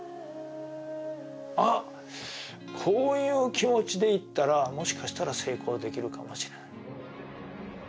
あっこういう気持ちで行ったらもしかしたら成功できるかもしれない。